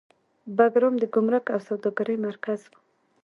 بګرام د ګمرک او سوداګرۍ مرکز و